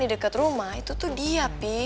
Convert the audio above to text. di dekat rumah itu tuh dia pi